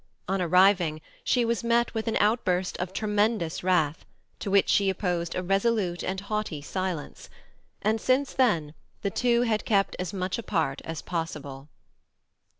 On arriving, she was met with an outburst of tremendous wrath, to which she opposed a resolute and haughty silence; and since then the two had kept as much apart as possible.